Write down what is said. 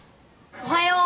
おはよう。